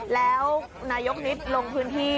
แล้วนายกนิดลงพื้นที่